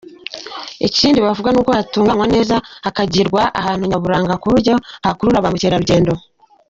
Ikindi bavuga ni uko hatunganywa neza hakagirwa ahantu nyaburanga ku buryo hakurura ba mukerarugendo.